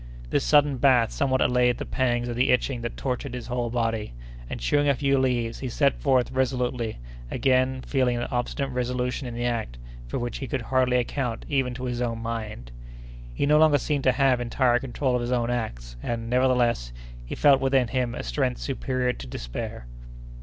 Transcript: This sudden bath somewhat allayed the pangs of the itching that tortured his whole body; and, chewing a few leaves, he set forth resolutely, again feeling an obstinate resolution in the act, for which he could hardly account even to his own mind. He no longer seemed to have entire control of his own acts, and, nevertheless, he felt within him a strength superior to despair.